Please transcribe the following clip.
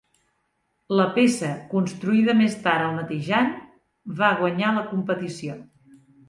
La peça, construïda més tard el mateix any, va guanyar la competició.